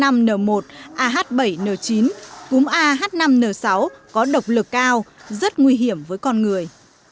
ah bảy n chín cúm ah năm n sáu có độc lực cao rất nguy hiểm với con người